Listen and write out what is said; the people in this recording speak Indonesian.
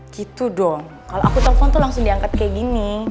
gitu dong kalau aku telpon tuh langsung diangkat kayak gini